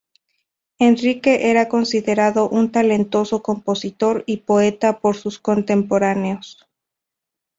Enrique era considerado un talentoso compositor y poeta por sus contemporáneos.